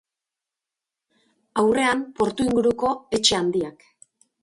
Aurrean, portu inguruko etxe handiak.